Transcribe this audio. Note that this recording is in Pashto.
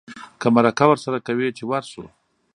که مرکه ورسره کوې چې ورشو.